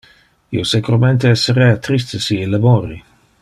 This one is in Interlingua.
Io securmente esserea triste si ille mori.